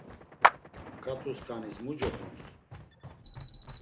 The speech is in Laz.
Ǩat̆uskanis mu coxons?